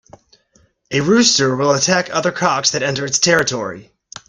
A rooster will attack other cocks that enter its territory.